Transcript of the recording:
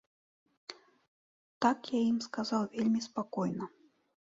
Так я ім сказаў вельмі спакойна.